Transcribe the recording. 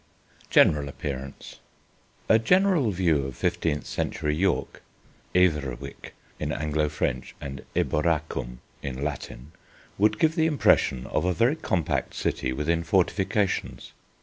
GENERAL APPEARANCE A general view of fifteenth century York ("Everwyk" in Anglo French and "Eboracum" in Latin) would give the impression of a very compact city within fortifications.